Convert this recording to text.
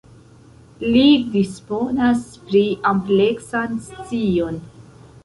Li disponas pri ampleksan scion.